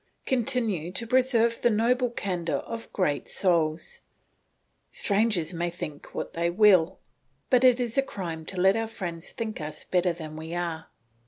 Continue to preserve the noble candour of great souls; strangers may think what they will, but it is a crime to let our friends think us better than we are."